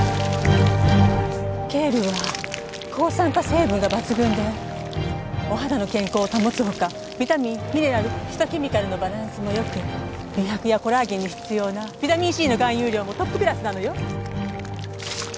ケールは抗酸化成分が抜群でお肌の健康を保つ他ビタミンミネラルフィトケミカルのバランスも良く美白やコラーゲンに必要なビタミンＣの含有量もトップクラスなのよ。